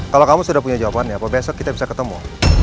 kalau kamu sudah punya jawabannya apa besok kita bisa ketemu